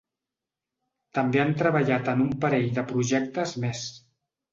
També han treballat en un parell de projectes més.